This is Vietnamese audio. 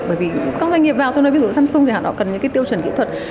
bởi vì các doanh nghiệp vào tôi nói ví dụ samsung thì họ cần những cái tiêu chuẩn kỹ thuật